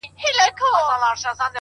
پر وظیفه عسکر ولاړ دی تلاوت کوي؛